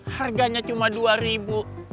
harganya cuma rp dua